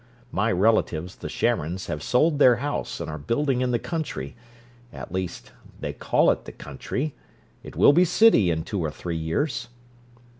My relatives, the Sharons, have sold their house and are building in the country—at least, they call it 'the country.' It will be city in two or three years."